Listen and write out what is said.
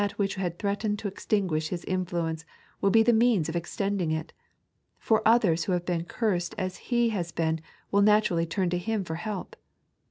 45 which had threatened to extinguish his influence will be the means of extending it, for others who have been cursed as he has been will naturally turn to him for help.